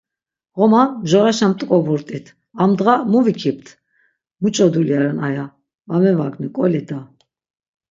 Ğoman mjoraşen p̆t̆k̆oburt̆it amdğa mu vikipt, muç̌o dulya ren aya va mevagni k̆oli da.